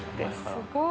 すごい。